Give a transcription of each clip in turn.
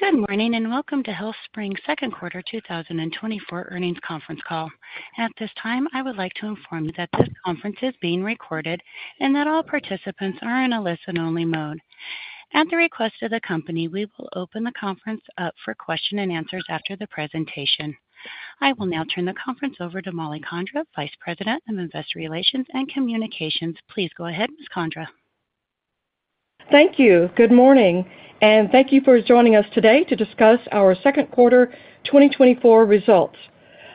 Good morning and welcome to HealthStream's second quarter 2024 earnings conference call. At this time, I would like to inform you that this conference is being recorded and that all participants are in a listen-only mode. At the request of the company, we will open the conference up for questions and answers after the presentation. I will now turn the conference over to Mollie Condra, Vice President of Investor Relations and Communications. Please go ahead, Ms. Condra. Thank you. Good morning, and thank you for joining us today to discuss our second quarter 2024 results.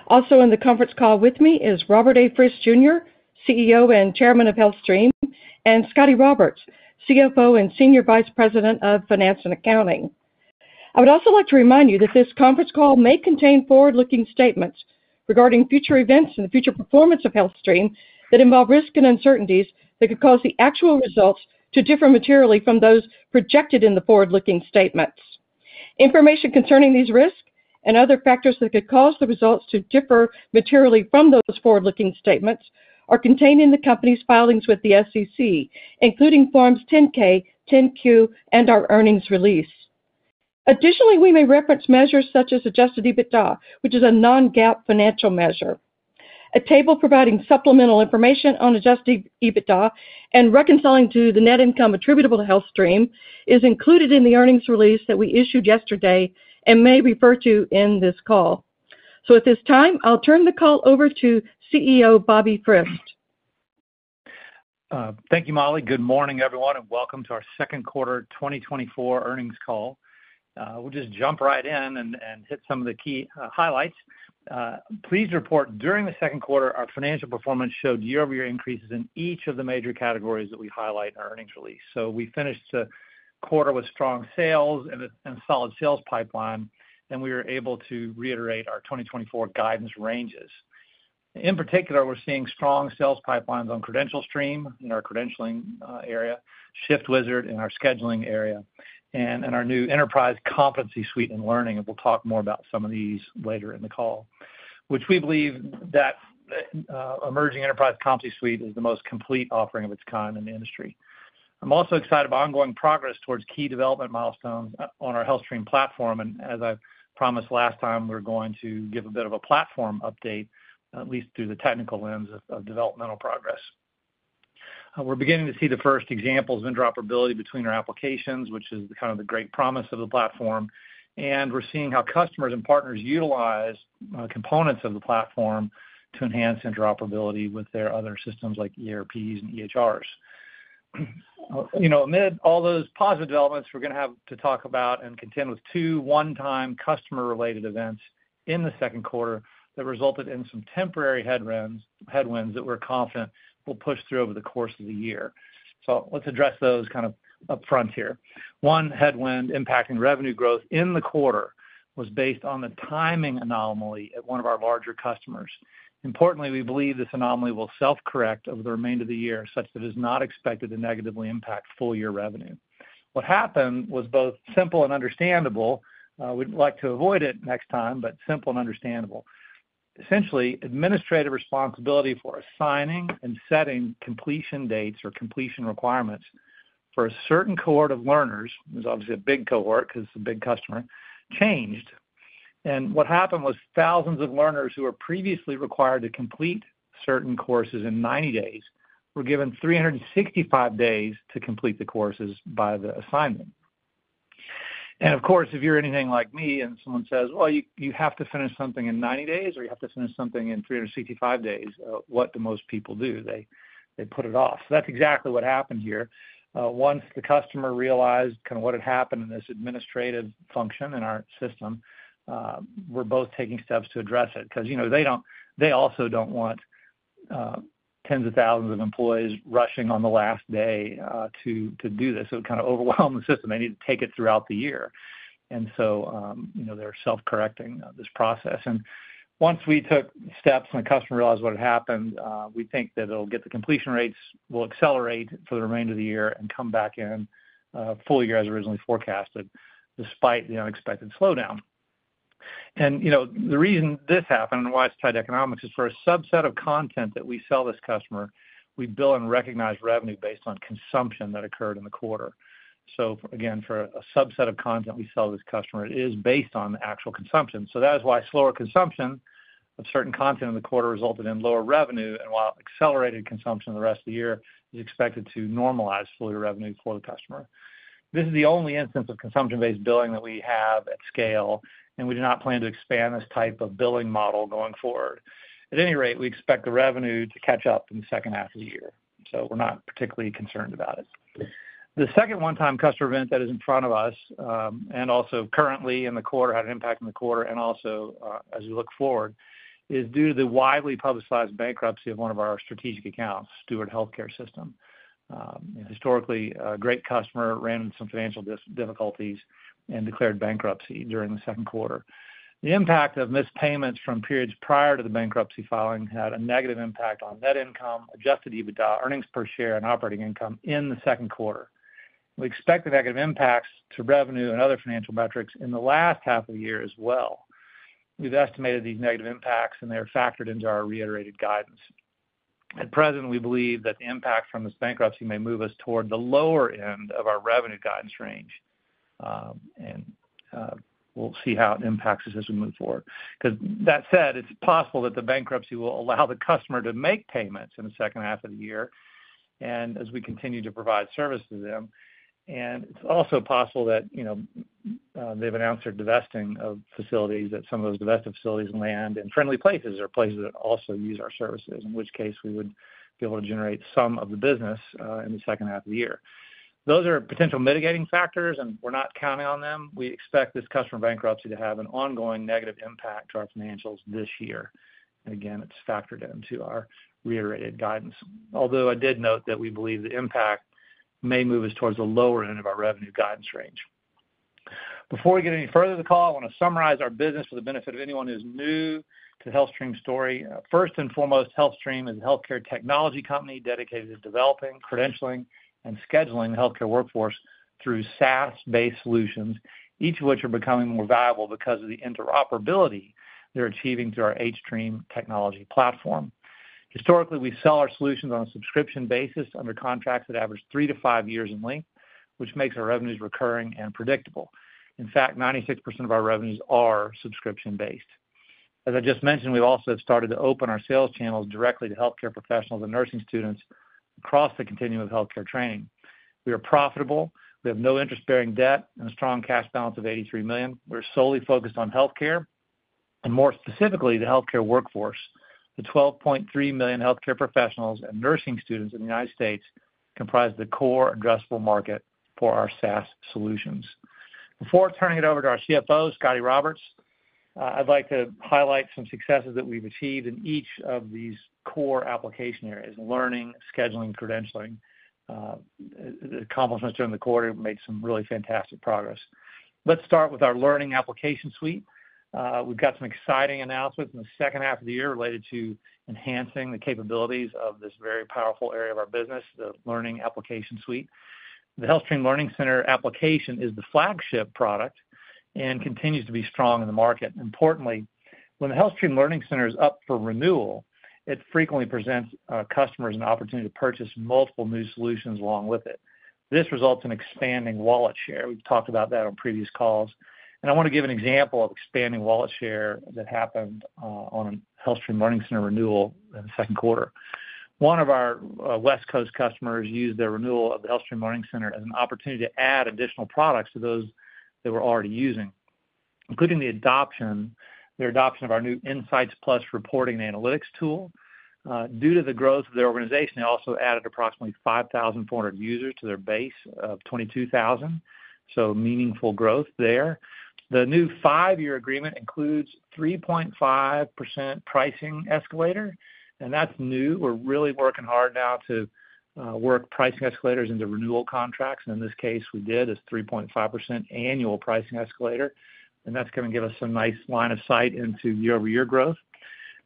Also in the conference call with me is Robert A. Frist Jr., CEO and Chairman of HealthStream, and Scotty Roberts, CFO and Senior Vice President of Finance and Accounting. I would also like to remind you that this conference call may contain forward-looking statements regarding future events and the future performance of HealthStream that involve risks and uncertainties that could cause the actual results to differ materially from those projected in the forward-looking statements. Information concerning these risks and other factors that could cause the results to differ materially from those forward-looking statements are contained in the company's filings with the SEC, including Forms 10-K, 10-Q, and our earnings release. Additionally, we may reference measures such as adjusted EBITDA, which is a non-GAAP financial measure. A table providing supplemental information on Adjusted EBITDA and reconciling to the net income attributable to HealthStream is included in the earnings release that we issued yesterday and may refer to in this call. At this time, I'll turn the call over to CEO Bobby Frist. Thank you, Mollie. Good morning, everyone, and welcome to our second quarter 2024 earnings call. We'll just jump right in and hit some of the key highlights. In the second quarter, our financial performance showed year-over-year increases in each of the major categories that we highlight in our earnings release. So we finished the quarter with strong sales and a solid sales pipeline, and we were able to reiterate our 2024 guidance ranges. In particular, we're seeing strong sales pipelines on CredentialStream in our credentialing area, ShiftWizard in our scheduling area, and our new Enterprise Competency Suite and learning. And we'll talk more about some of these later in the call, which we believe that emerging Enterprise Competency Suite is the most complete offering of its kind in the industry. I'm also excited about ongoing progress towards key development milestones on our HealthStream platform. As I promised last time, we're going to give a bit of a platform update, at least through the technical lens of developmental progress. We're beginning to see the first examples of interoperability between our applications, which is kind of the great promise of the platform. We're seeing how customers and partners utilize components of the platform to enhance interoperability with their other systems like ERPs and EHRs. You know, amid all those positive developments, we're going to have to talk about and contend with two one-time customer-related events in the second quarter that resulted in some temporary headwinds that we're confident will push through over the course of the year. Let's address those kind of upfront here. One headwind impacting revenue growth in the quarter was based on the timing anomaly at one of our larger customers. Importantly, we believe this anomaly will self-correct over the remainder of the year such that it is not expected to negatively impact full-year revenue. What happened was both simple and understandable. We'd like to avoid it next time, but simple and understandable. Essentially, administrative responsibility for assigning and setting completion dates or completion requirements for a certain cohort of learners, there's obviously a big cohort because it's a big customer, changed. And what happened was thousands of learners who were previously required to complete certain courses in 90 days were given 365 days to complete the courses by the assignment. And of course, if you're anything like me and someone says, "Well, you have to finish something in 90 days or you have to finish something in 365 days," what do most people do? They put it off. So that's exactly what happened here. Once the customer realized kind of what had happened in this administrative function in our system, we're both taking steps to address it because, you know, they also don't want tens of thousands of employees rushing on the last day to do this. It would kind of overwhelm the system. They need to take it throughout the year. And so, you know, they're self-correcting this process. And once we took steps and the customer realized what had happened, we think that it'll get the completion rates will accelerate for the remainder of the year and come back in full year as originally forecasted despite the unexpected slowdown. And, you know, the reason this happened and why it's tied to economics is for a subset of content that we sell this customer, we bill and recognize revenue based on consumption that occurred in the quarter. So again, for a subset of content we sell this customer, it is based on the actual consumption. So that is why slower consumption of certain content in the quarter resulted in lower revenue, and while accelerated consumption the rest of the year is expected to normalize fully revenue for the customer. This is the only instance of consumption-based billing that we have at scale, and we do not plan to expand this type of billing model going forward. At any rate, we expect the revenue to catch up in the second half of the year. So we're not particularly concerned about it. The second one-time customer event that is in front of us and also currently in the quarter had an impact in the quarter and also as we look forward is due to the widely publicized bankruptcy of one of our strategic accounts, Steward Health Care. Historically, a great customer ran into some financial difficulties and declared bankruptcy during the second quarter. The impact of missed payments from periods prior to the bankruptcy filing had a negative impact on net income, Adjusted EBITDA, earnings per share, and operating income in the second quarter. We expect the negative impacts to revenue and other financial metrics in the last half of the year as well. We've estimated these negative impacts, and they are factored into our reiterated guidance. At present, we believe that the impact from this bankruptcy may move us toward the lower end of our revenue guidance range. And we'll see how it impacts us as we move forward. Because that said, it's possible that the bankruptcy will allow the customer to make payments in the second half of the year as we continue to provide service to them. And it's also possible that, you know, they've announced their divesting of facilities, that some of those divested facilities land in friendly places or places that also use our services, in which case we would be able to generate some of the business in the second half of the year. Those are potential mitigating factors, and we're not counting on them. We expect this customer bankruptcy to have an ongoing negative impact on our financials this year. And again, it's factored into our reiterated guidance, although I did note that we believe the impact may move us towards the lower end of our revenue guidance range. Before we get any further to the call, I want to summarize our business for the benefit of anyone who's new to HealthStream's story. First and foremost, HealthStream is a healthcare technology company dedicated to developing, credentialing, and scheduling healthcare workforce through SaaS-based solutions, each of which are becoming more valuable because of the interoperability they're achieving through our hStream technology platform. Historically, we sell our solutions on a subscription basis under contracts that average three to five years in length, which makes our revenues recurring and predictable. In fact, 96% of our revenues are subscription-based. As I just mentioned, we've also started to open our sales channels directly to healthcare professionals and nursing students across the continuum of healthcare training. We are profitable. We have no interest-bearing debt and a strong cash balance of $83 million. We're solely focused on healthcare and more specifically the healthcare workforce. The 12.3 million healthcare professionals and nursing students in the United States comprise the core addressable market for our SaaS solutions. Before turning it over to our CFO, Scotty Roberts, I'd like to highlight some successes that we've achieved in each of these core application areas: learning, scheduling, credentialing. The accomplishments during the quarter made some really fantastic progress. Let's start with our learning application suite. We've got some exciting announcements in the second half of the year related to enhancing the capabilities of this very powerful area of our business, the learning application suite. The HealthStream Learning Center application is the flagship product and continues to be strong in the market. Importantly, when the HealthStream Learning Center is up for renewal, it frequently presents customers an opportunity to purchase multiple new solutions along with it. This results in expanding wallet share. We've talked about that on previous calls. I want to give an example of expanding wallet share that happened on a HealthStream Learning Center renewal in the second quarter. One of our West Coast customers used their renewal of the HealthStream Learning Center as an opportunity to add additional products to those they were already using, including the adoption of our new Insights Plus reporting and analytics tool. Due to the growth of their organization, they also added approximately 5,400 users to their base of 22,000. So meaningful growth there. The new five-year agreement includes a 3.5% pricing escalator. That's new. We're really working hard now to work pricing escalators into renewal contracts. And in this case, we did a 3.5% annual pricing escalator. And that's going to give us some nice line of sight into year-over-year growth.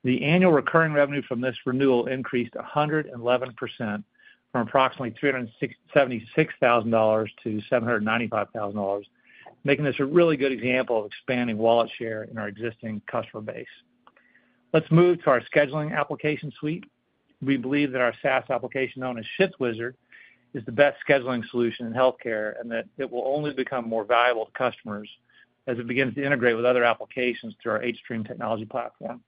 The annual recurring revenue from this renewal increased 111% from approximately $376,000 to $795,000, making this a really good example of expanding wallet share in our existing customer base. Let's move to our scheduling application suite. We believe that our SaaS application known as ShiftWizard is the best scheduling solution in healthcare and that it will only become more valuable to customers as it begins to integrate with other applications through our hStream technology platform.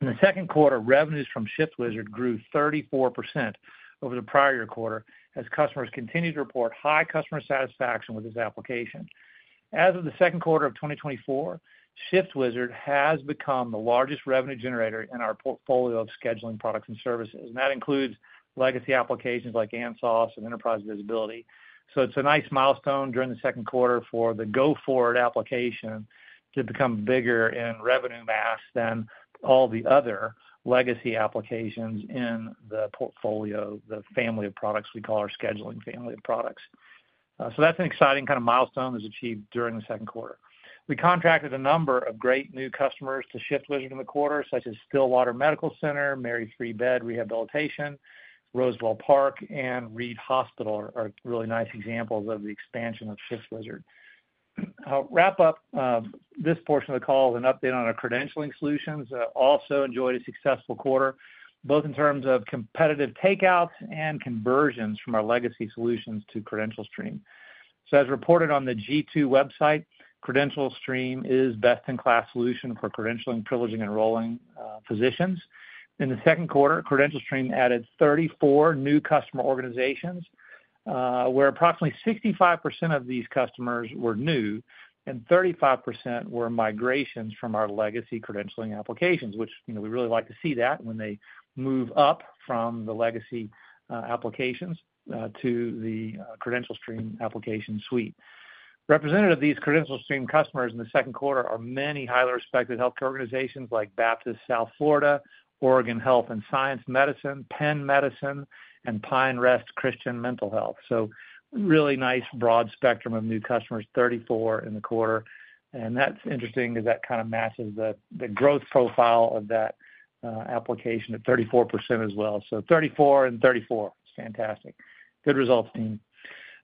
In the second quarter, revenues from ShiftWizard grew 34% over the prior year quarter as customers continued to report high customer satisfaction with this application. As of the second quarter of 2024, ShiftWizard has become the largest revenue generator in our portfolio of scheduling products and services. And that includes legacy applications like ANSOS and Enterprise Visibility. So it's a nice milestone during the second quarter for the Go Forward application to become bigger in revenue mass than all the other legacy applications in the portfolio, the family of products we call our scheduling family of products. So that's an exciting kind of milestone that's achieved during the second quarter. We contracted a number of great new customers to ShiftWizard in the quarter, such as Stillwater Medical Center, Mary Free Bed Rehabilitation Hospital, Roswell Park, and Reid Health are really nice examples of the expansion of ShiftWizard. I'll wrap up this portion of the call with an update on our credentialing solutions. Also enjoyed a successful quarter, both in terms of competitive takeouts and conversions from our legacy solutions to CredentialStream. So as reported on the G2 website, CredentialStream is a best-in-class solution for credentialing, privileging, and enrolling physicians. In the second quarter, CredentialStream added 34 new customer organizations, where approximately 65% of these customers were new and 35% were migrations from our legacy credentialing applications, which, you know, we really like to see that when they move up from the legacy applications to the CredentialStream application suite. Representative of these CredentialStream customers in the second quarter are many highly respected healthcare organizations like Baptist Health South Florida, Oregon Health & Science University, Penn Medicine, and Pine Rest Christian Mental Health Services. So really nice broad spectrum of new customers, 34 in the quarter. And that's interesting because that kind of matches the growth profile of that application at 34% as well. So 34 and 34. It's fantastic. Good results, team.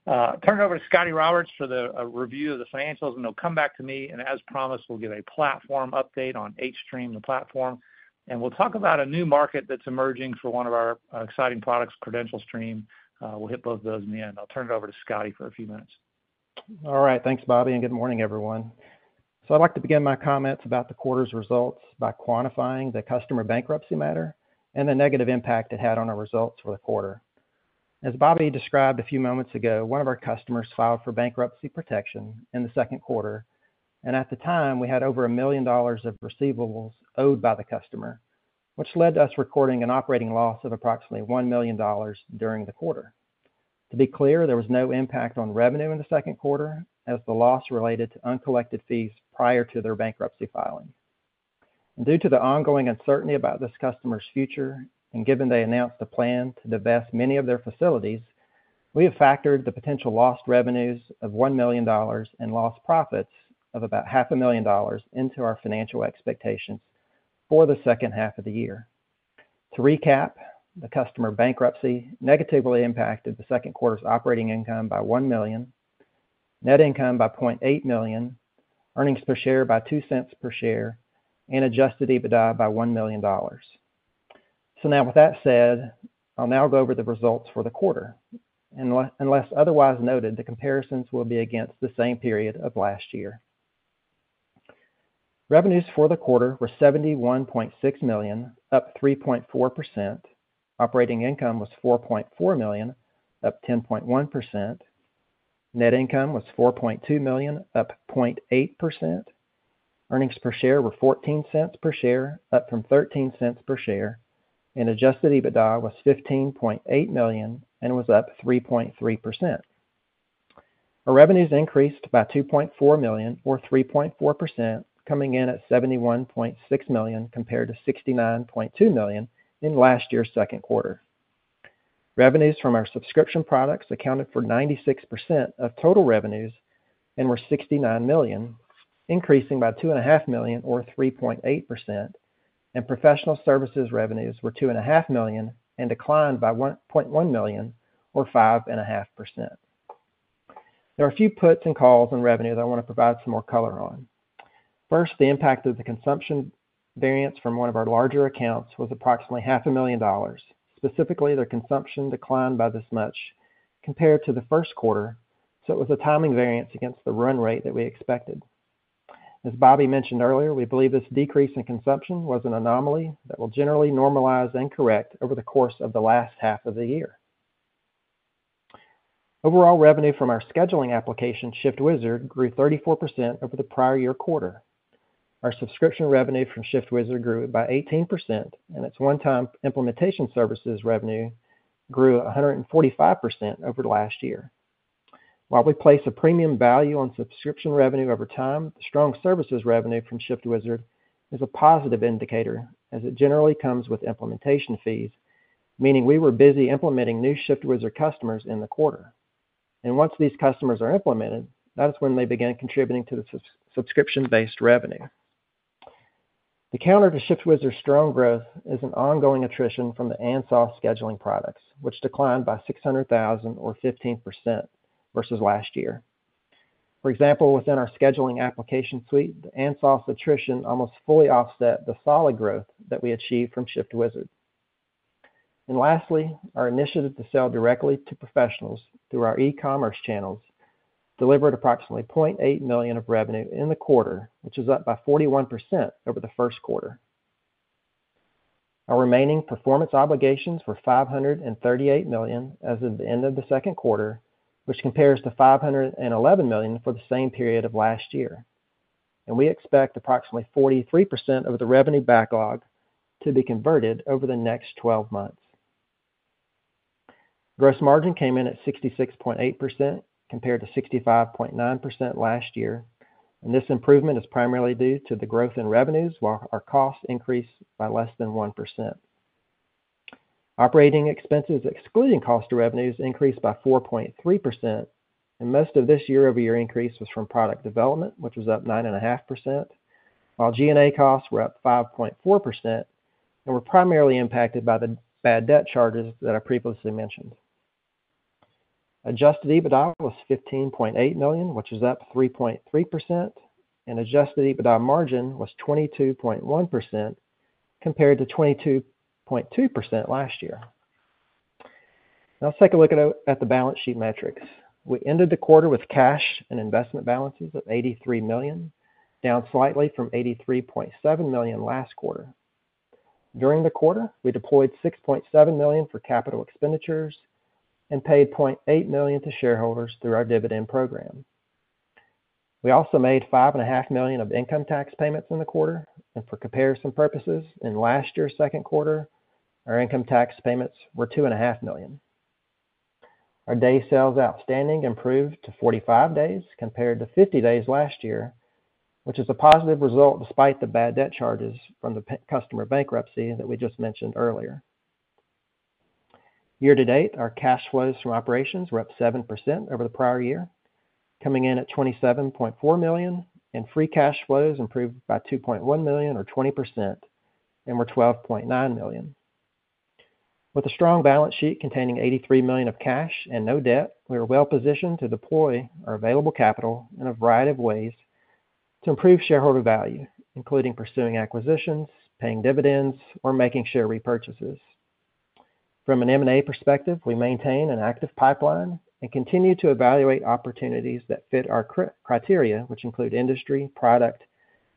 Turn it over to Scotty Roberts for the review of the financials. And he'll come back to me. And as promised, we'll give a platform update on hStream, the platform. We'll talk about a new market that's emerging for one of our exciting products, CredentialStream. We'll hit both of those in the end. I'll turn it over to Scotty for a few minutes. All right. Thanks, Bobby. Good morning, everyone. I'd like to begin my comments about the quarter's results by quantifying the customer bankruptcy matter and the negative impact it had on our results for the quarter. As Bobby described a few moments ago, one of our customers filed for bankruptcy protection in the second quarter. At the time, we had over $1 million of receivables owed by the customer, which led to us recording an operating loss of approximately $1 million during the quarter. To be clear, there was no impact on revenue in the second quarter as the loss related to uncollected fees prior to their bankruptcy filing. Due to the ongoing uncertainty about this customer's future, and given they announced a plan to divest many of their facilities, we have factored the potential lost revenues of $1 million and lost profits of about $500,000 into our financial expectations for the second half of the year. To recap, the customer bankruptcy negatively impacted the second quarter's operating income by $1 million, net income by $0.8 million, earnings per share by $0.02 per share, and Adjusted EBITDA by $1 million. So now with that said, I'll now go over the results for the quarter. Unless otherwise noted, the comparisons will be against the same period of last year. Revenues for the quarter were $71.6 million, up 3.4%. Operating income was $4.4 million, up 10.1%. Net income was $4.2 million, up 0.8%. Earnings per share were $0.14 per share, up from $0.13 per share. Adjusted EBITDA was $15.8 million and was up 3.3%. Our revenues increased by $2.4 million, or 3.4%, coming in at $71.6 million compared to $69.2 million in last year's second quarter. Revenues from our subscription products accounted for 96% of total revenues and were $69 million, increasing by $2.5 million, or 3.8%. Professional services revenues were $2.5 million and declined by $1.1 million, or 5.5%. There are a few puts and takes on revenue that I want to provide some more color on. First, the impact of the consumption variance from one of our larger accounts was approximately $500,000. Specifically, their consumption declined by this much compared to the first quarter. So it was a timing variance against the run rate that we expected. As Bobby mentioned earlier, we believe this decrease in consumption was an anomaly that will generally normalize and correct over the course of the last half of the year. Overall revenue from our scheduling application, ShiftWizard, grew 34% over the prior-year quarter. Our subscription revenue from ShiftWizard grew by 18%. And its one-time implementation services revenue grew 145% over the last year. While we place a premium value on subscription revenue over time, the strong services revenue from ShiftWizard is a positive indicator as it generally comes with implementation fees, meaning we were busy implementing new ShiftWizard customers in the quarter. And once these customers are implemented, that is when they begin contributing to the subscription-based revenue. The counter to ShiftWizard's strong growth is an ongoing attrition from the ANSOS scheduling products, which declined by $600,000, or 15%, versus last year. For example, within our scheduling application suite, the ANSOS attrition almost fully offset the solid growth that we achieved from ShiftWizard. Lastly, our initiative to sell directly to professionals through our e-commerce channels delivered approximately $0.8 million of revenue in the quarter, which is up by 41% over the first quarter. Our remaining performance obligations were $538 million as of the end of the second quarter, which compares to $511 million for the same period of last year. We expect approximately 43% of the revenue backlog to be converted over the next 12 months. Gross margin came in at 66.8% compared to 65.9% last year. This improvement is primarily due to the growth in revenues while our costs increased by less than 1%. Operating expenses excluding cost revenues increased by 4.3%. Most of this year-over-year increase was from product development, which was up 9.5%, while G&A costs were up 5.4% and were primarily impacted by the bad debt charges that I previously mentioned. Adjusted EBITDA was $15.8 million, which is up 3.3%. Adjusted EBITDA margin was 22.1% compared to 22.2% last year. Now let's take a look at the balance sheet metrics. We ended the quarter with cash and investment balances of $83 million, down slightly from $83.7 million last quarter. During the quarter, we deployed $6.7 million for capital expenditures and paid $0.8 million to shareholders through our dividend program. We also made $5.5 million of income tax payments in the quarter. For comparison purposes, in last year's second quarter, our income tax payments were $2.5 million. Our day sales outstanding improved to 45 days compared to 50 days last year, which is a positive result despite the bad debt charges from the customer bankruptcy that we just mentioned earlier. Year-to-date, our cash flows from operations were up 7% over the prior year, coming in at $27.4 million. Free cash flows improved by $2.1 million, or 20%, and were $12.9 million. With a strong balance sheet containing $83 million of cash and no debt, we were well-positioned to deploy our available capital in a variety of ways to improve shareholder value, including pursuing acquisitions, paying dividends, or making share repurchases. From an M&A perspective, we maintain an active pipeline and continue to evaluate opportunities that fit our criteria, which include industry, product,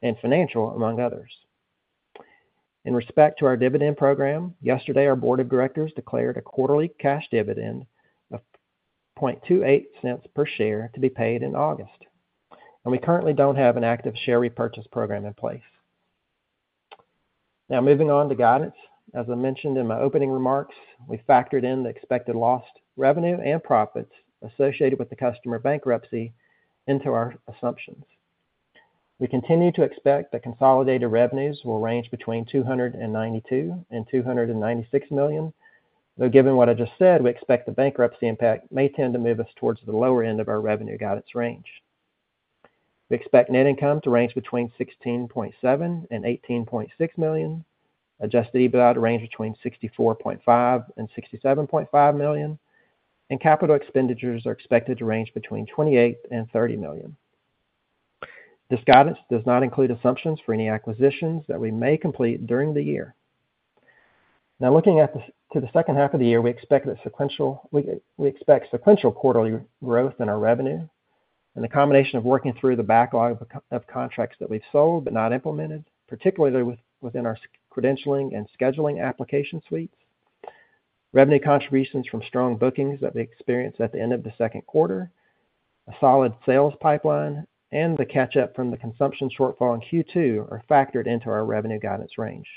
and financial, among others. In respect to our dividend program, yesterday, our board of directors declared a quarterly cash dividend of $0.28 per share to be paid in August. We currently don't have an active share repurchase program in place. Now moving on to guidance. As I mentioned in my opening remarks, we factored in the expected lost revenue and profits associated with the customer bankruptcy into our assumptions. We continue to expect that consolidated revenues will range between $292 million and $296 million. Though given what I just said, we expect the bankruptcy impact may tend to move us towards the lower end of our revenue guidance range. We expect net income to range between $16.7 million and $18.6 million. Adjusted EBITDA to range between $64.5 million and $67.5 million. Capital expenditures are expected to range between $28 million and $30 million. This guidance does not include assumptions for any acquisitions that we may complete during the year. Now looking to the second half of the year, we expect sequential quarterly growth in our revenue and the combination of working through the backlog of contracts that we've sold but not implemented, particularly within our credentialing and scheduling application suites. Revenue contributions from strong bookings that we experienced at the end of the second quarter, a solid sales pipeline, and the catch-up from the consumption shortfall in Q2 are factored into our revenue guidance range.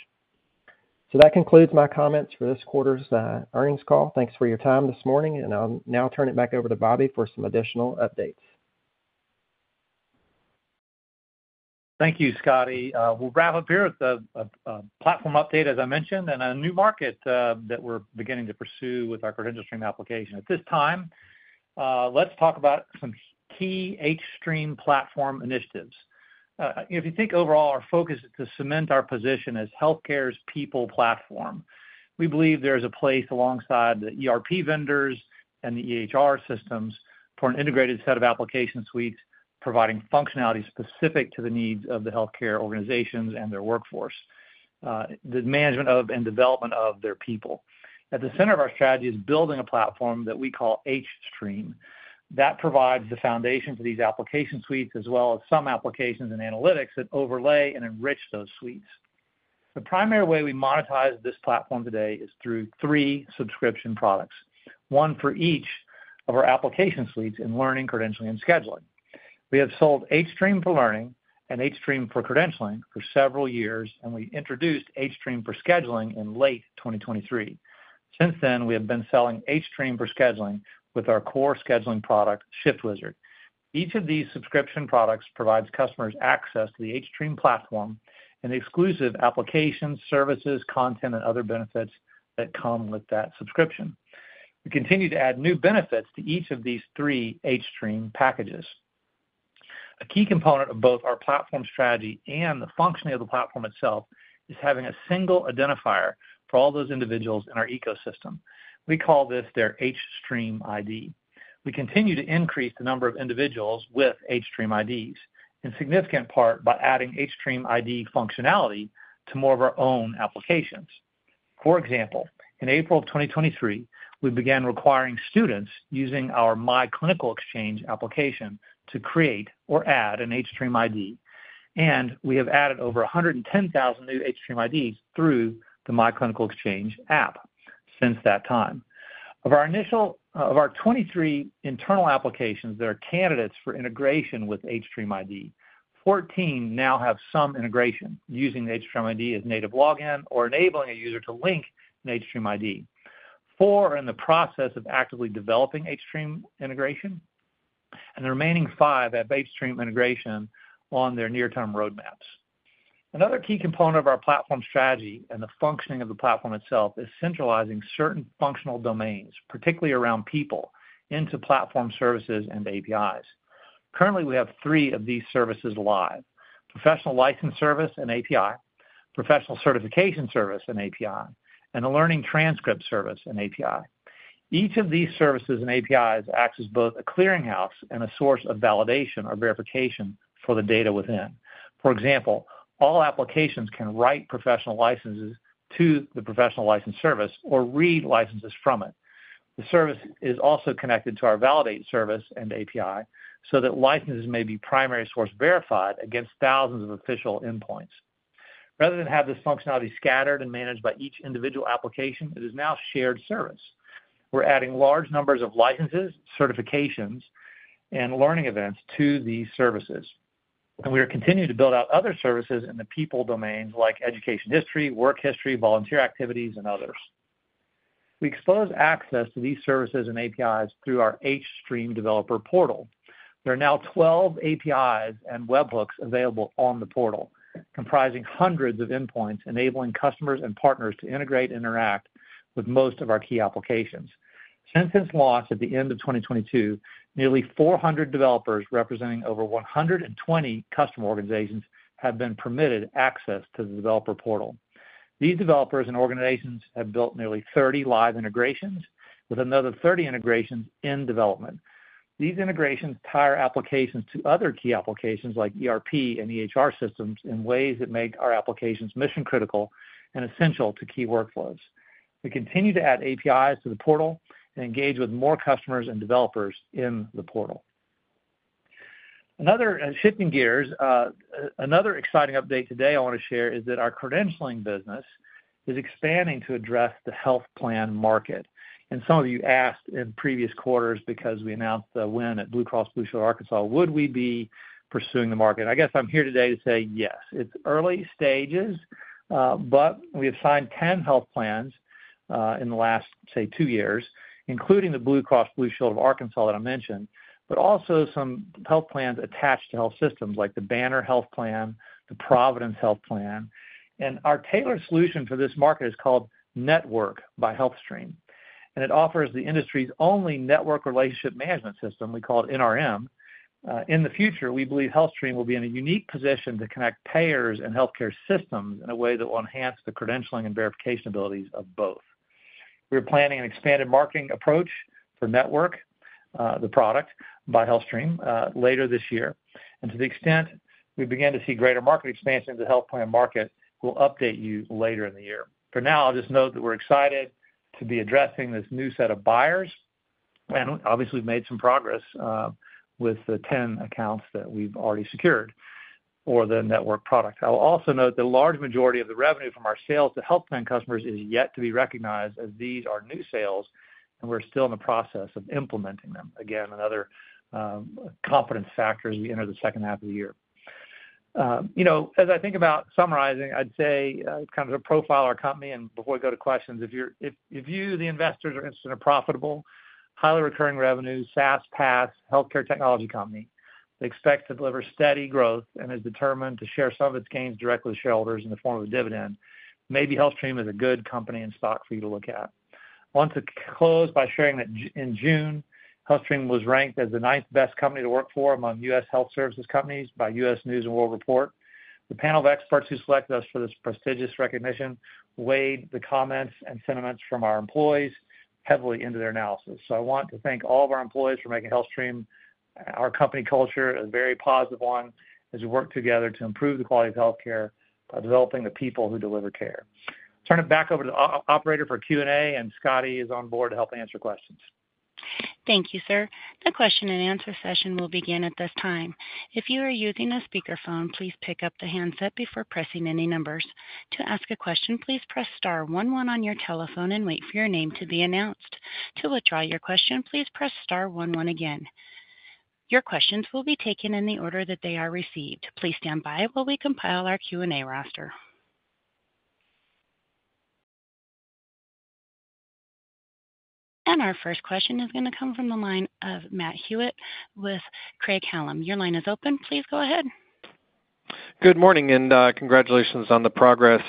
So that concludes my comments for this quarter's earnings call. Thanks for your time this morning. I'll now turn it back over to Bobby for some additional updates. Thank you, Scotty. We'll wrap up here with a platform update, as I mentioned, and a new market that we're beginning to pursue with our CredentialStream application. At this time, let's talk about some key hStream platform initiatives. If you think overall, our focus is to cement our position as healthcare's people platform. We believe there is a place alongside the ERP vendors and the EHR systems for an integrated set of application suites providing functionality specific to the needs of the healthcare organizations and their workforce, the management of and development of their people. At the center of our strategy is building a platform that we call hStream. That provides the foundation for these application suites, as well as some applications and analytics that overlay and enrich those suites. The primary way we monetize this platform today is through three subscription products, one for each of our application suites in learning, credentialing, and scheduling. We have sold hStream for learning and hStream for credentialing for several years. We introduced hStream for scheduling in late 2023. Since then, we have been selling hStream for scheduling with our core scheduling product, ShiftWizard. Each of these subscription products provides customers access to the hStream platform and exclusive application services, content, and other benefits that come with that subscription. We continue to add new benefits to each of these three hStream packages. A key component of both our platform strategy and the functioning of the platform itself is having a single identifier for all those individuals in our ecosystem. We call this their hStream ID. We continue to increase the number of individuals with hStream IDs, in significant part by adding hStream ID functionality to more of our own applications. For example, in April of 2023, we began requiring students using our myClinicalExchange application to create or add an hStream ID. And we have added over 110,000 new hStream IDs through the My Clinical Exchange app since that time. Of our initial 23 internal applications that are candidates for integration with hStream ID, 14 now have some integration using the hStream ID as native login or enabling a user to link an hStream ID. Four are in the process of actively developing hStream integration. The remaining five have hStream integration on their near-term roadmaps. Another key component of our platform strategy and the functioning of the platform itself is centralizing certain functional domains, particularly around people, into platform services and APIs. Currently, we have three of these services live: professional license service and API, professional certification service and API, and a learning transcript service and API. Each of these services and APIs acts as both a clearinghouse and a source of validation or verification for the data within. For example, all applications can write professional licenses to the professional license service or read licenses from it. The service is also connected to our Validate service and API so that licenses may be primary source verified against thousands of official endpoints. Rather than have this functionality scattered and managed by each individual application, it is now a shared service. We're adding large numbers of licenses, certifications, and learning events to these services. We are continuing to build out other services in the people domains, like education history, work history, volunteer activities, and others. We expose access to these services and APIs through our hStream Developer Portal. There are now 12 APIs and webhooks available on the portal, comprising hundreds of endpoints, enabling customers and partners to integrate and interact with most of our key applications. Since its launch at the end of 2022, nearly 400 developers representing over 120 customer organizations have been permitted access to the developer portal. These developers and organizations have built nearly 30 live integrations, with another 30 integrations in development. These integrations tie our applications to other key applications, like ERP and EHR systems, in ways that make our applications mission-critical and essential to key workflows. We continue to add APIs to the portal and engage with more customers and developers in the portal. Another shifting gears, another exciting update today I want to share is that our credentialing business is expanding to address the health plan market. And some of you asked in previous quarters because we announced the win at Blue Cross and Blue Shield of Arkansas, would we be pursuing the market? I guess I'm here today to say yes. It's early stages. But we have signed 10 health plans in the last, say, two years, including the Blue Cross and Blue Shield of Arkansas that I mentioned, but also some health plans attached to health systems, like the Banner Health Plans, the Providence Health Plan. Our tailored solution for this market is called Network by HealthStream. And it offers the industry's only network relationship management system. We call it NRM. In the future, we believe HealthStream will be in a unique position to connect payers and healthcare systems in a way that will enhance the credentialing and verification abilities of both. We are planning an expanded marketing approach for Network, the product by HealthStream, later this year. And to the extent we begin to see greater market expansion in the health plan market, we'll update you later in the year. For now, I'll just note that we're excited to be addressing this new set of buyers. Obviously, we've made some progress with the 10 accounts that we've already secured for the Network product. I'll also note the large majority of the revenue from our sales to health plan customers is yet to be recognized, as these are new sales, and we're still in the process of implementing them. Again, another confidence factor as we enter the second half of the year. As I think about summarizing, I'd say kind of to profile our company and before we go to questions, if you, the investors, are interested in a profitable, highly recurring revenue, SaaS, PaaS, healthcare technology company, expect to deliver steady growth and is determined to share some of its gains directly with shareholders in the form of a dividend, maybe HealthStream is a good company and stock for you to look at. I want to close by sharing that in June, HealthStream was ranked as the ninth best company to work for among U.S. health services companies by U.S. News & World Report. The panel of experts who selected us for this prestigious recognition weighed the comments and sentiments from our employees heavily into their analysis. So I want to thank all of our employees for making HealthStream, our company culture, a very positive one as we work together to improve the quality of healthcare by developing the people who deliver care. Turning it back over to the operator for Q&A, and Scotty is on board to help answer questions. Thank you, sir. The question and answer session will begin at this time. If you are using a speakerphone, please pick up the handset before pressing any numbers. To ask a question, please press star 11 on your telephone and wait for your name to be announced. To withdraw your question, please press star 11 again. Your questions will be taken in the order that they are received. Please stand by while we compile our Q&A roster. Our first question is going to come from the line of Matt Hewitt with Craig-Hallum. Your line is open. Please go ahead. Good morning and congratulations on the progress.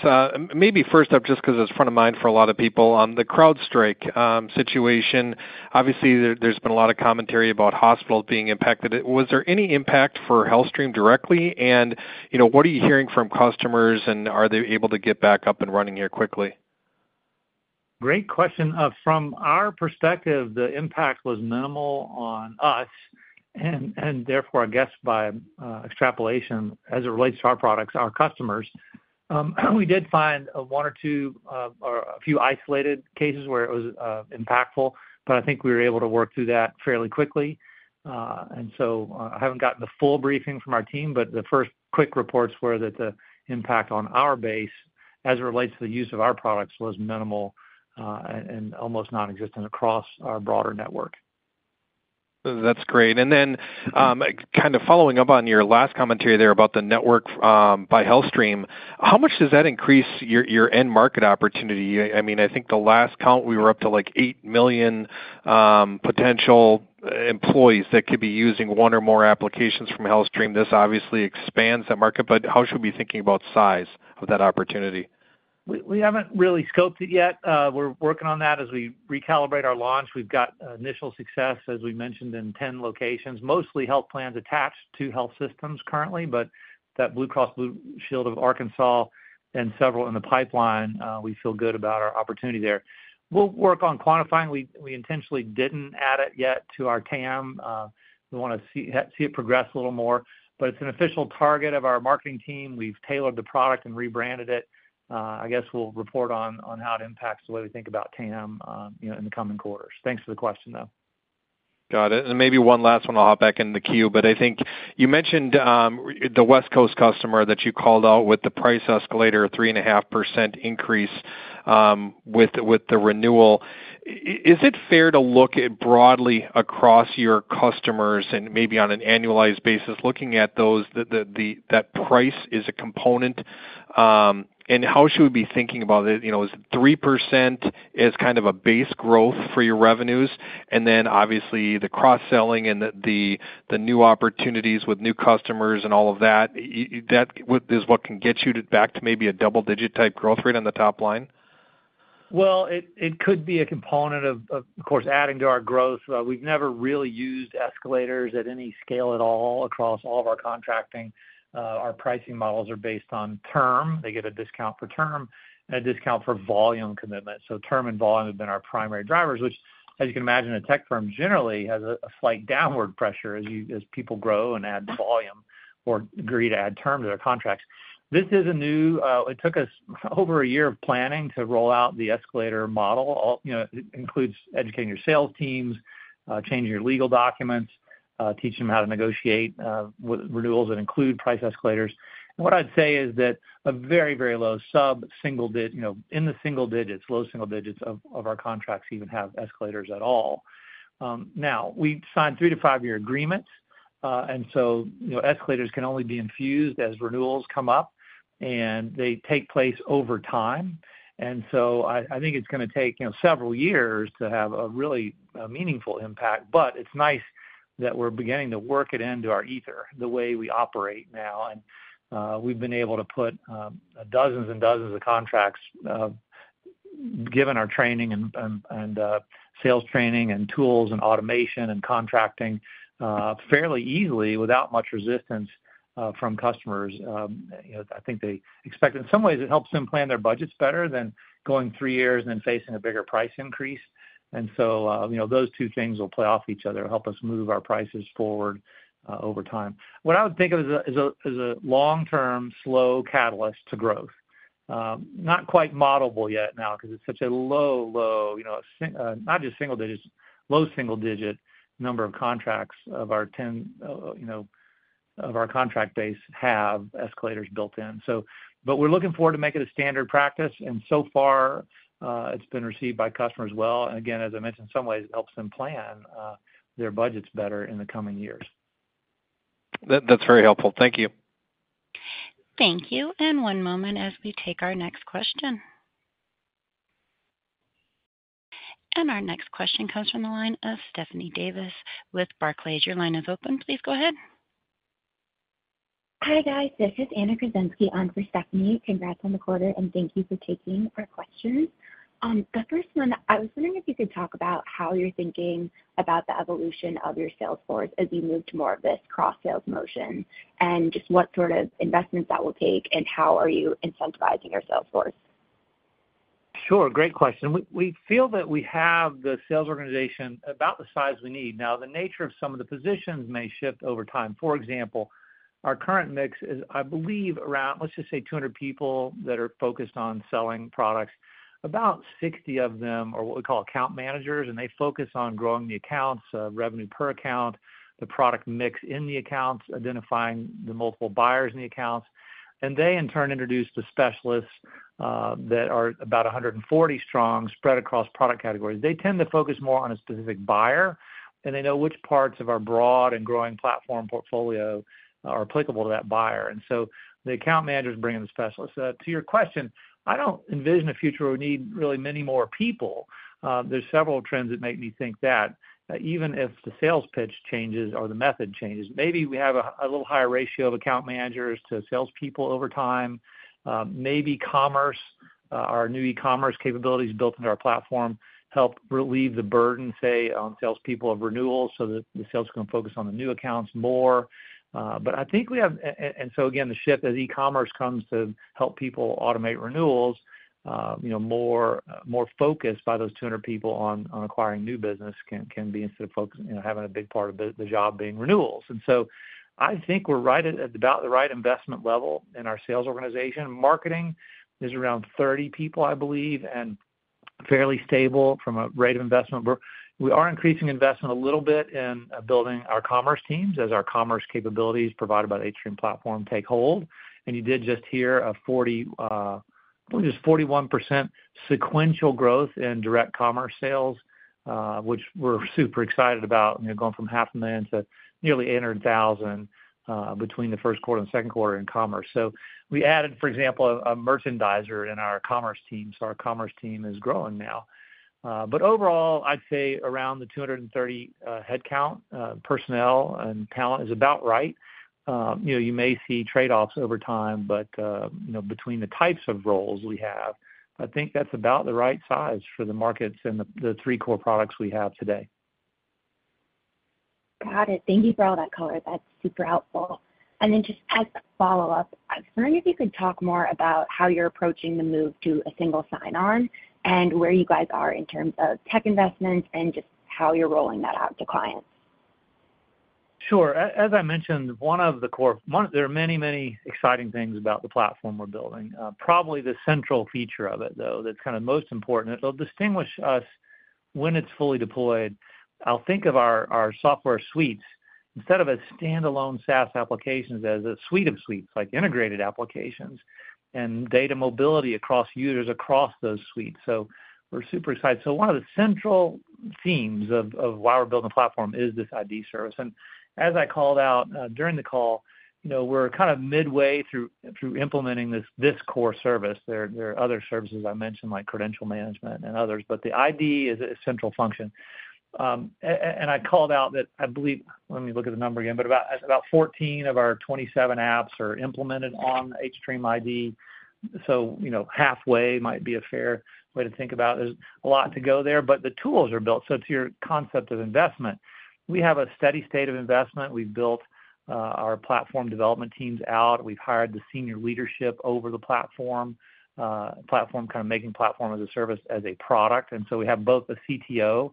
Maybe first up, just because it's front of mind for a lot of people, on the CrowdStrike situation. Obviously, there's been a lot of commentary about hospitals being impacted. Was there any impact for HealthStream directly? And what are you hearing from customers, and are they able to get back up and running here quickly? Great question. From our perspective, the impact was minimal on us. And therefore, I guess by extrapolation, as it relates to our products, our customers, we did find one or two or a few isolated cases where it was impactful. But I think we were able to work through that fairly quickly. So I haven't gotten the full briefing from our team, but the first quick reports were that the impact on our base, as it relates to the use of our products, was minimal and almost nonexistent across our broader network. That's great. And then kind of following up on your last commentary there about the Network by HealthStream, how much does that increase your end market opportunity? I mean, I think the last count, we were up to like 8 million potential employees that could be using one or more applications from HealthStream. This obviously expands that market. But how should we be thinking about size of that opportunity? We haven't really scoped it yet. We're working on that as we recalibrate our launch. We've got initial success, as we mentioned, in 10 locations, mostly health plans attached to health systems currently. But that Blue Cross and Blue Shield of Arkansas and several in the pipeline, we feel good about our opportunity there. We'll work on quantifying. We intentionally didn't add it yet to our TAM. We want to see it progress a little more. But it's an official target of our marketing team. We've tailored the product and rebranded it. I guess we'll report on how it impacts the way we think about TAM in the coming quarters. Thanks for the question, though. Got it. And maybe one last one. I'll hop back into the queue. But I think you mentioned the West Coast customer that you called out with the price escalator, a 3.5% increase with the renewal. Is it fair to look broadly across your customers and maybe on an annualized basis, looking at those that price is a component? And how should we be thinking about it? Is 3% kind of a base growth for your revenues? And then, obviously, the cross-selling and the new opportunities with new customers and all of that, is what can get you back to maybe a double-digit type growth rate on the top line? Well, it could be a component of, of course, adding to our growth. We've never really used escalators at any scale at all across all of our contracting. Our pricing models are based on term. They get a discount for term and a discount for volume commitment. So term and volume have been our primary drivers, which, as you can imagine, a tech firm generally has a slight downward pressure as people grow and add volume or agree to add terms to their contracts. This is new. It took us over a year of planning to roll out the escalator model. It includes educating your sales teams, changing your legal documents, teaching them how to negotiate renewals that include price escalators. What I'd say is that a very, very low sub single in the single digits, low single digits of our contracts even have escalators at all. Now, we signed 3-5 year agreements. Escalators can only be infused as renewals come up. They take place over time. I think it's going to take several years to have a really meaningful impact. But it's nice that we're beginning to work it into our ether, the way we operate now. We've been able to put dozens and dozens of contracts, given our training and sales training and tools and automation and contracting, fairly easily without much resistance from customers. I think they expect, in some ways, it helps them plan their budgets better than going three years and then facing a bigger price increase. And so those two things will play off each other, help us move our prices forward over time. What I would think of as a long-term slow catalyst to growth, not quite modelable yet now because it's such a low, low, not just single digits, low single-digit number of contracts. 10% of our contract base have escalators built in. But we're looking forward to making it a standard practice. And so far, it's been received by customers well. And again, as I mentioned, in some ways, it helps them plan their budgets better in the coming years. That's very helpful. Thank you. Thank you. And one moment as we take our next question. And our next question comes from the line of Stephanie Davis with Barclays. Your line is open. Please go ahead. Hi, guys. This is Anna Kruszenski on for Stephanie. Congrats on the quarter. And thank you for taking our questions. The first one, I was wondering if you could talk about how you're thinking about the evolution of your sales force as you move to more of this cross-sales motion and just what sort of investments that will take and how are you incentivizing your sales force? Sure. Great question. We feel that we have the sales organization about the size we need. Now, the nature of some of the positions may shift over time. For example, our current mix is, I believe, around, let's just say, 200 people that are focused on selling products. About 60 of them are what we call account managers. They focus on growing the accounts, revenue per account, the product mix in the accounts, identifying the multiple buyers in the accounts. And they, in turn, introduce the specialists that are about 140 strong spread across product categories. They tend to focus more on a specific buyer. And they know which parts of our broad and growing platform portfolio are applicable to that buyer. And so the account managers bring in the specialists. To your question, I don't envision a future where we need really many more people. There's several trends that make me think that. Even if the sales pitch changes or the method changes, maybe we have a little higher ratio of account managers to salespeople over time. Maybe commerce, our new e-commerce capabilities built into our platform, help relieve the burden, say, on salespeople of renewals so that the sales can focus on the new accounts more. But I think we have and so again, the shift as e-commerce comes to help people automate renewals, more focus by those 200 people on acquiring new business can be instead of having a big part of the job being renewals. And so I think we're right at about the right investment level in our sales organization. Marketing is around 30 people, I believe, and fairly stable from a rate of investment. We are increasing investment a little bit in building our commerce teams as our commerce capabilities provided by the hStream platform take hold. And you did just hear a 40, I believe it was 41% sequential growth in direct commerce sales, which we're super excited about, going from $500,000 to nearly $800,000 between the first quarter and the second quarter in commerce. So we added, for example, a merchandiser in our commerce team. So our commerce team is growing now. But overall, I'd say around 230 headcount, personnel and talent is about right. You may see trade-offs over time, but between the types of roles we have, I think that's about the right size for the markets and the three core products we have today. Got it. Thank you for all that color. That's super helpful. And then just as a follow-up, I was wondering if you could talk more about how you're approaching the move to a single sign-on and where you guys are in terms of tech investments and just how you're rolling that out to clients. Sure. As I mentioned, one of the core there are many, many exciting things about the platform we're building. Probably the central feature of it, though, that's kind of most important, it'll distinguish us when it's fully deployed. I'll think of our software suites instead of as standalone SaaS applications as a suite of suites, like integrated applications and data mobility across users across those suites. So we're super excited. So one of the central themes of why we're building the platform is this ID service. And as I called out during the call, we're kind of midway through implementing this core service. There are other services I mentioned, like credential management and others. But the ID is a central function. I called out that I believe, let me look at the number again, but about 14 of our 27 apps are implemented on hStream ID. So halfway might be a fair way to think about. There's a lot to go there. But the tools are built. So to your concept of investment, we have a steady state of investment. We've built our platform development teams out. We've hired the senior leadership over the platform, kind of making platform as a service as a product. And so we have both the CTO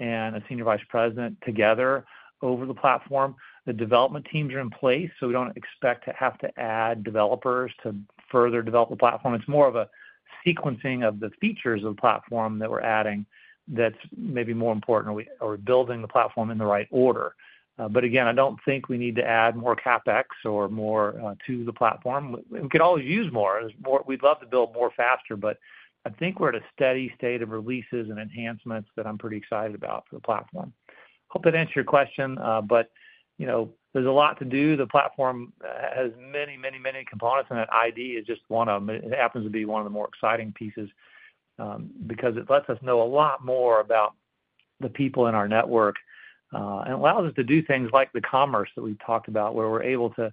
and a senior vice president together over the platform. The development teams are in place. So we don't expect to have to add developers to further develop the platform. It's more of a sequencing of the features of the platform that we're adding that's maybe more important, or we're building the platform in the right order. But again, I don't think we need to add more CapEx or more to the platform. We could always use more. We'd love to build more faster. But I think we're at a steady state of releases and enhancements that I'm pretty excited about for the platform. Hope that answered your question. But there's a lot to do. The platform has many, many, many components. And that ID is just one of them. It happens to be one of the more exciting pieces because it lets us know a lot more about the people in our network. It allows us to do things like the commerce that we've talked about, where we're able to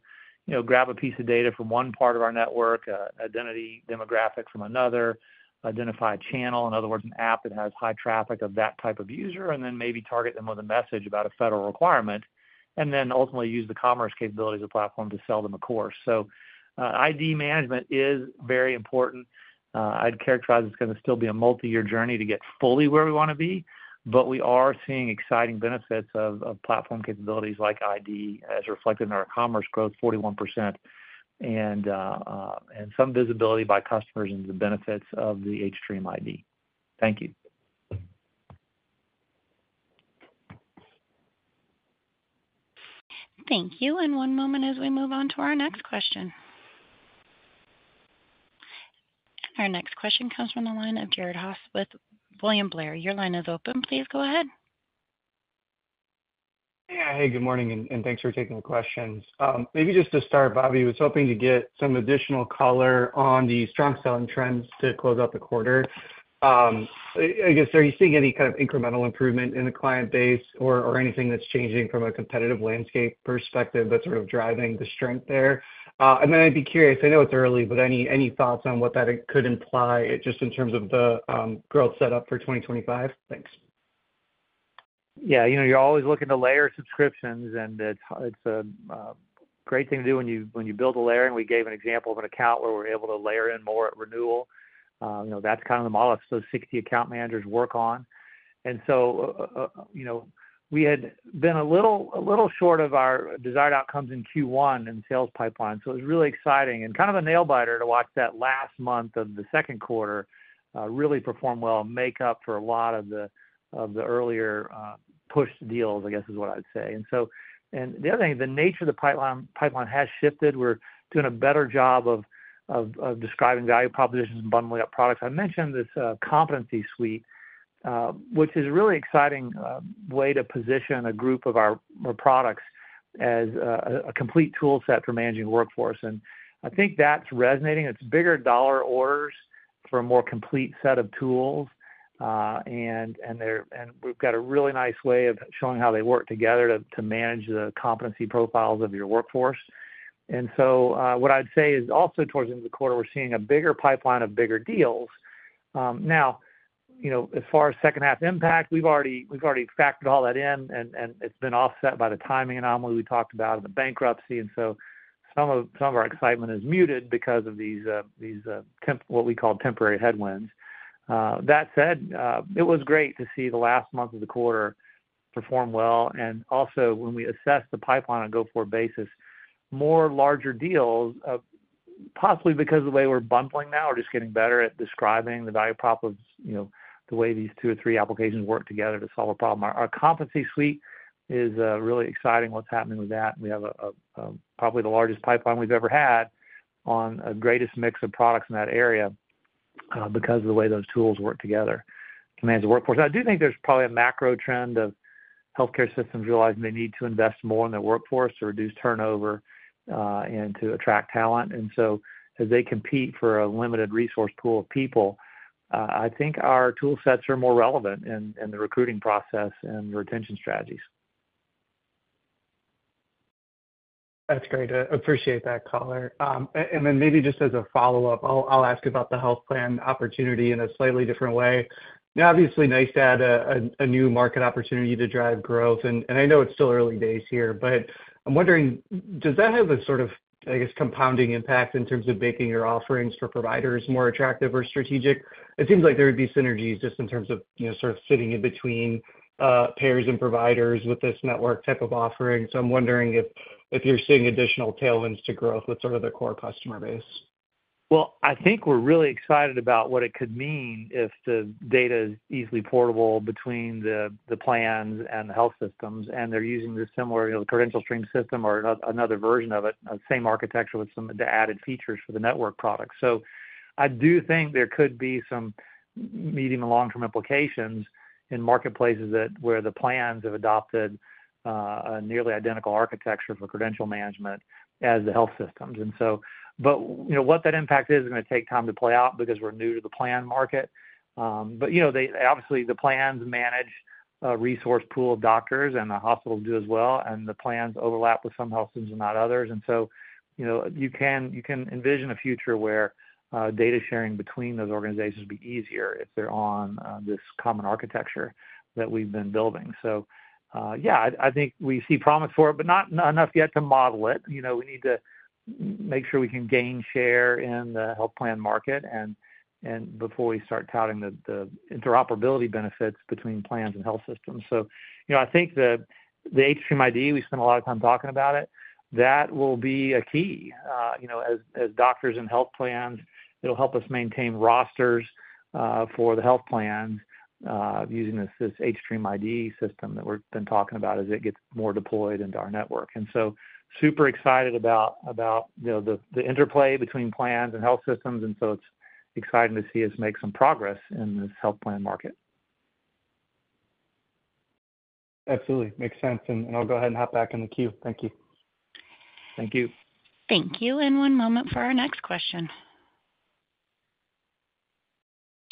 grab a piece of data from one part of our network, identity, demographics from another, identify a channel, in other words, an app that has high traffic of that type of user, and then maybe target them with a message about a federal requirement, and then ultimately use the commerce capabilities of the platform to sell them a course. ID management is very important. I'd characterize it's going to still be a multi-year journey to get fully where we want to be. We are seeing exciting benefits of platform capabilities like ID as reflected in our commerce growth, 41%, and some visibility by customers and the benefits of the hStream ID. Thank you. Thank you. One moment as we move on to our next question. Our next question comes from the line of Jared Haase with William Blair. Your line is open. Please go ahead. Yeah. Hey, good morning. And thanks for taking the questions. Maybe just to start, Bobby, I was hoping to get some additional color on the strong selling trends to close out the quarter. I guess, are you seeing any kind of incremental improvement in the client base or anything that's changing from a competitive landscape perspective that's sort of driving the strength there? And then I'd be curious, I know it's early, but any thoughts on what that could imply just in terms of the growth setup for 2025? Thanks. Yeah. You're always looking to layer subscriptions. And it's a great thing to do when you build a layer. And we gave an example of an account where we're able to layer in more at renewal. That's kind of the model that those 60 account managers work on. And so we had been a little short of our desired outcomes in Q1 in the sales pipeline. So it was really exciting and kind of a nail biter to watch that last month of the second quarter really perform well, make up for a lot of the earlier pushed deals, I guess, is what I'd say. And the other thing, the nature of the pipeline has shifted. We're doing a better job of describing value propositions and bundling up products. I mentioned this competency suite, which is a really exciting way to position a group of our products as a complete toolset for managing workforce. And I think that's resonating. It's bigger dollar orders for a more complete set of tools. We've got a really nice way of showing how they work together to manage the competency profiles of your workforce. So what I'd say is also towards the end of the quarter, we're seeing a bigger pipeline of bigger deals. Now, as far as second-half impact, we've already factored all that in. And it's been offset by the timing anomaly we talked about and the bankruptcy. So some of our excitement is muted because of these what we call temporary headwinds. That said, it was great to see the last month of the quarter perform well. Also, when we assess the pipeline on a go-forward basis, more larger deals, possibly because of the way we're bundling now, are just getting better at describing the value prop of the way these two or three applications work together to solve a problem. Our competency suite is really exciting. What's happening with that? We have probably the largest pipeline we've ever had and the greatest mix of products in that area because of the way those tools work together to manage the workforce. I do think there's probably a macro trend of healthcare systems realizing they need to invest more in their workforce to reduce turnover and to attract talent. And so as they compete for a limited resource pool of people, I think our toolsets are more relevant in the recruiting process and retention strategies. That's great. I appreciate that, color. And then maybe just as a follow-up, I'll ask about the health plan opportunity in a slightly different way. Obviously, nice to add a new market opportunity to drive growth. And I know it's still early days here. But I'm wondering, does that have a sort of, I guess, compounding impact in terms of making your offerings for providers more attractive or strategic? It seems like there would be synergies just in terms of sort of sitting in between payers and providers with this Network type of offering. So I'm wondering if you're seeing additional tailwinds to growth with sort of the core customer base. Well, I think we're really excited about what it could mean if the data is easily portable between the plans and the health systems. And they're using the similar CredentialStream system or another version of it, same architecture with some of the added features for the Network products. So I do think there could be some medium- and long-term implications in marketplaces where the plans have adopted a nearly identical architecture for credential management as the health systems. But what that impact is going to take time to play out because we're new to the plan market. But obviously, the plans manage a resource pool of doctors, and the hospitals do as well. And the plans overlap with some health systems and not others. And so you can envision a future where data sharing between those organizations would be easier if they're on this common architecture that we've been building. So yeah, I think we see promise for it, but not enough yet to model it. We need to make sure we can gain share in the health plan market before we start touting the interoperability benefits between plans and health systems. So I think the hStream ID, we spent a lot of time talking about it, that will be a key. As doctors and health plans, it'll help us maintain rosters for the health plans using this hStream ID system that we've been talking about as it gets more deployed into our network. And so super excited about the interplay between plans and health systems. And so it's exciting to see us make some progress in this health plan market. Absolutely. Makes sense. And I'll go ahead and hop back in the queue. Thank you. Thank you. Thank you. And one moment for our next question.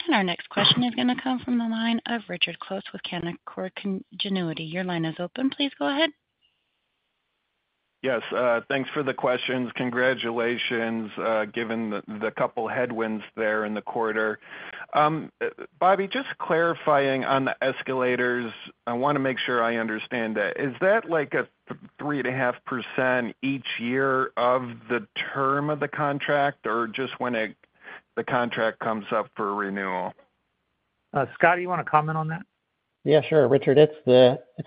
And our next question is going to come from the line of Richard Close with Canaccord Genuity. Your line is open. Please go ahead. Yes. Thanks for the questions. Congratulations given the couple of headwinds there in the quarter. Bobby, just clarifying on the escalators, I want to make sure I understand that. Is that like a 3.5% each year of the term of the contract or just when the contract comes up for renewal? Scott, do you want to comment on that? Yeah, sure. Richard, it's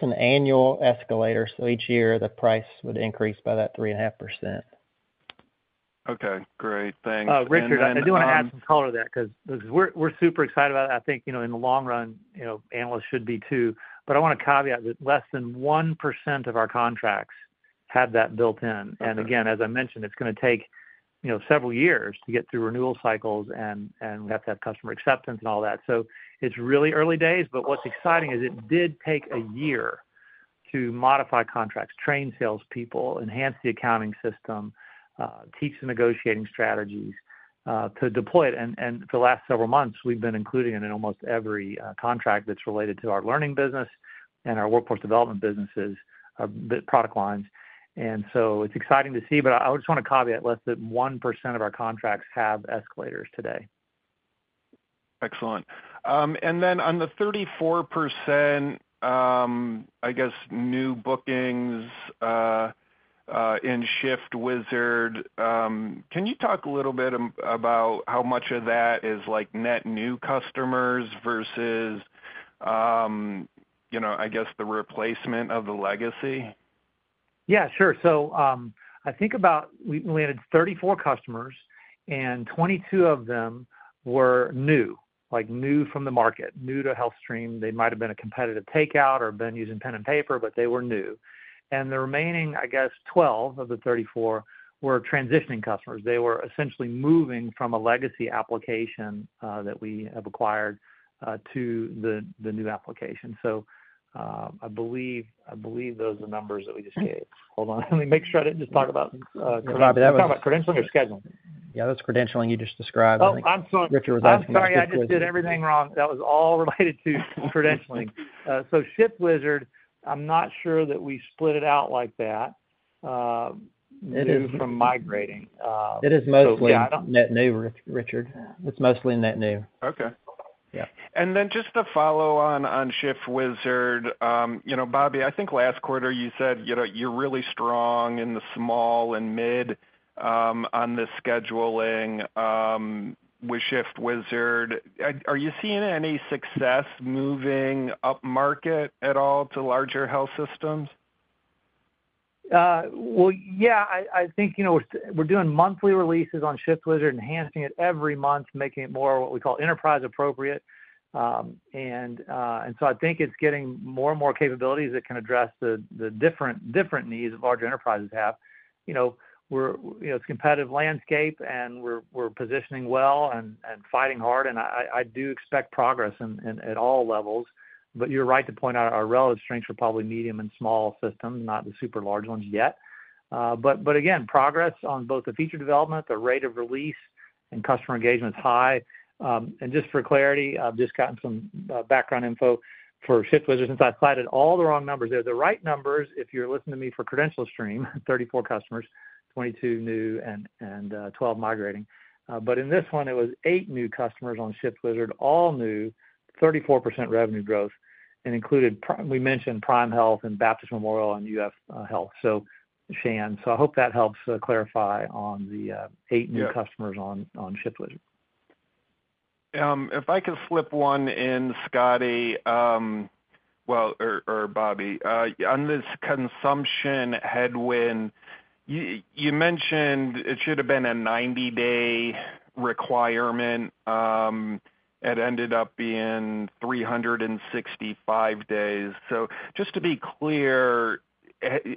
an annual escalator. So each year, the price would increase by that 3.5%. Okay. Great. Thanks. Richard, I do want to add some color to that because we're super excited about it. I think in the long run, analysts should be too. But I want to caveat that less than 1% of our contracts have that built in. And again, as I mentioned, it's going to take several years to get through renewal cycles, and we have to have customer acceptance and all that. So it's really early days. But what's exciting is it did take a year to modify contracts, train salespeople, enhance the accounting system, teach the negotiating strategies to deploy it. For the last several months, we've been including it in almost every contract that's related to our learning business and our workforce development businesses, the product lines. So it's exciting to see. But I just want to caveat less than 1% of our contracts have escalators today. Excellent. Then on the 34%, I guess, new bookings in ShiftWizard, can you talk a little bit about how much of that is net new customers versus, I guess, the replacement of the legacy? Yeah, sure. I think about we added 34 customers, and 22 of them were new, like new from the market, new to HealthStream. They might have been a competitive takeout or been using pen and paper, but they were new. And the remaining, I guess, 12 of the 34 were transitioning customers. They were essentially moving from a legacy application that we have acquired to the new application. So I believe those are the numbers that we just gave. Hold on. Let me make sure I didn't just talk about credentialing or scheduling. Yeah, that's credentialing you just described. Oh, I'm sorry. Richard was asking about that. I'm sorry. I just did everything wrong. That was all related to credentialing. So ShiftWizard, I'm not sure that we split it out like that new from migrating. It is mostly net new, Richard. It's mostly net new. Okay. And then just to follow on ShiftWizard, Bobby, I think last quarter you said you're really strong in the small and mid on the scheduling with ShiftWizard. Are you seeing any success moving up market at all to larger health systems? Well, yeah. I think we're doing monthly releases on ShiftWizard, enhancing it every month, making it more what we call enterprise appropriate. And so I think it's getting more and more capabilities that can address the different needs large enterprises have. It's a competitive landscape, and we're positioning well and fighting hard. And I do expect progress at all levels. But you're right to point out our relative strengths are probably medium and small systems, not the super large ones yet. But again, progress on both the feature development, the rate of release, and customer engagement is high. And just for clarity, I've just gotten some background info for ShiftWizard. Since I cited all the wrong numbers, they're the right numbers if you're listening to me for CredentialStream, 34 customers, 22 new and 12 migrating. But in this one, it was 8 new customers on ShiftWizard, all new, 34% revenue growth. And we mentioned Prime Healthcare and Baptist Memorial Health Care and UF Health Shands. So I hope that helps clarify on the 8 new customers on ShiftWizard. If I could flip one in, Scotty, well, or Bobby, on this consumption headwind, you mentioned it should have been a 90-day requirement. It ended up being 365 days. So just to be clear,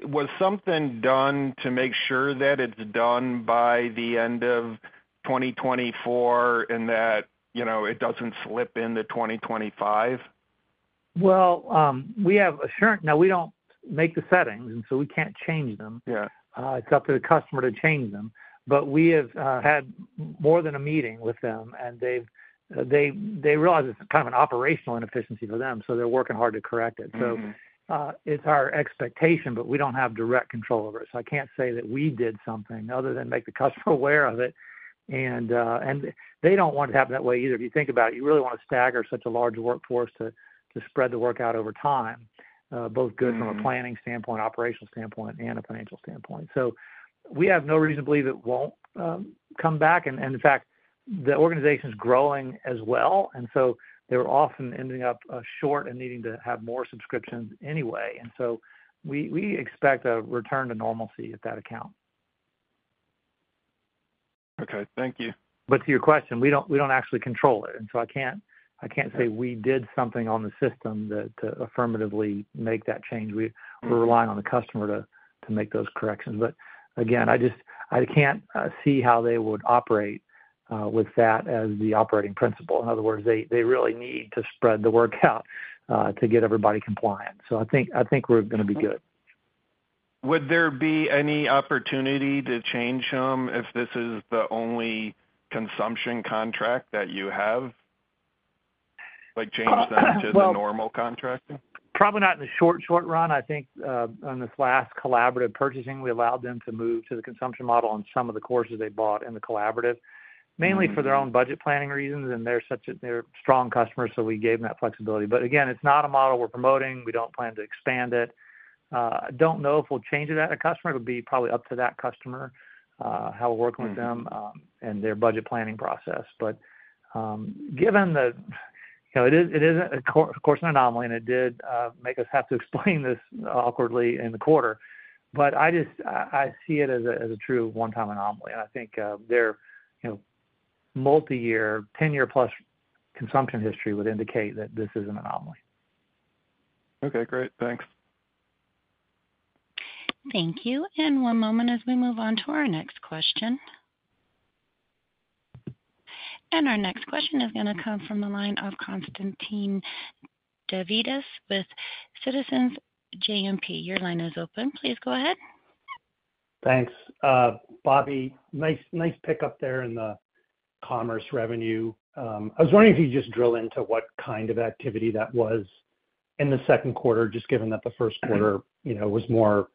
was something done to make sure that it's done by the end of 2024 and that it doesn't slip into 2025? Well, we have assurance. Now, we don't make the settings, and so we can't change them. It's up to the customer to change them. But we have had more than a meeting with them. They realize it's kind of an operational inefficiency for them, so they're working hard to correct it. So it's our expectation, but we don't have direct control over it. So I can't say that we did something other than make the customer aware of it. And they don't want it to happen that way either. If you think about it, you really want to stagger such a large workforce to spread the work out over time, both good from a planning standpoint, operational standpoint, and a financial standpoint. So we have no reason to believe it won't come back. And in fact, the organization's growing as well. And so they were often ending up short and needing to have more subscriptions anyway. And so we expect a return to normalcy at that account. Okay. Thank you. But to your question, we don't actually control it. So I can't say we did something on the system to affirmatively make that change. We're relying on the customer to make those corrections. But again, I can't see how they would operate with that as the operating principle. In other words, they really need to spread the work out to get everybody compliant. So I think we're going to be good. Would there be any opportunity to change them if this is the only consumption contract that you have? Change them to the normal contract? Probably not in the short, short run. I think on this last collaborative purchasing, we allowed them to move to the consumption model on some of the courses they bought in the collaborative, mainly for their own budget planning reasons. And they're strong customers, so we gave them that flexibility. But again, it's not a model we're promoting. We don't plan to expand it. I don't know if we'll change it at a customer. It would be probably up to that customer, how we're working with them and their budget planning process. But given that it is, of course, an anomaly, and it did make us have to explain this awkwardly in the quarter. But I see it as a true one-time anomaly. And I think their multi-year, 10+ years consumption history would indicate that this is an anomaly. Okay. Great. Thanks. Thank you. And one moment as we move on to our next question. And our next question is going to come from the line of Constantine Davides with Citizens JMP. Your line is open. Please go ahead. Thanks. Bobby, nice pickup there in the commerce revenue. I was wondering if you could just drill into what kind of activity that was in the second quarter, just given that the first quarter was more